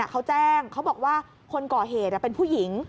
เขาแจ้งเขาบอกว่าคนก่อเหตุเป็นผู้หญิง